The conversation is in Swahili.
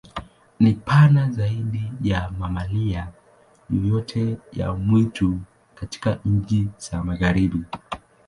Ni pana zaidi ya mamalia yoyote ya mwitu katika nchi za Magharibi.